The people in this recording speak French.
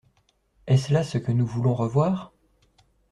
Est-ce là ce que nous voulons revoir?